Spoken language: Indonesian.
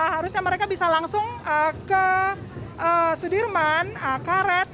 harusnya mereka bisa langsung ke sudirman karet